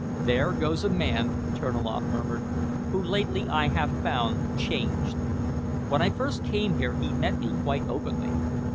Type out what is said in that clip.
"There goes a man," Terniloff murmured, "whom lately I have found changed. When I first came here he met me quite openly.